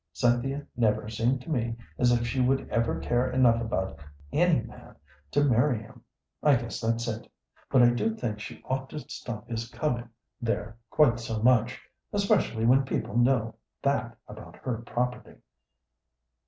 Cynthia never seemed to me as if she would ever care enough about any man to marry him. I guess that's it; but I do think she ought to stop his coming there quite so much, especially when people know that about her property."